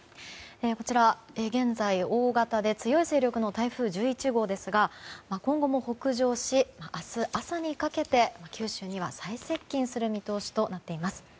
こちら、現在、大型で強い勢力の台風１１号ですが今後も北上し、明日朝にかけて九州には最接近する見通しとなっています。